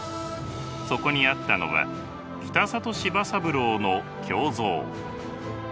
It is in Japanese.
そこにあったのは北里柴三郎の胸像。